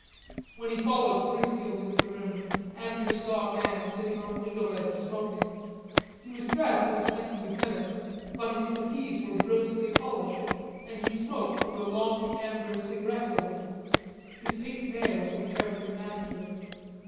When he followed Chrisfield into the room, Andrews saw a man sitting on the window ledge smoking. He was dressed as a second lieutenant, his puttees were brilliantly polished, and he smoked through a long, amber cigarette holder. His pink nails were carefully manicured.